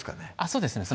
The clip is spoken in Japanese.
そうですね